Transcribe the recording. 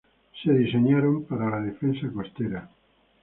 Estuvieron diseñados para la defensa costera.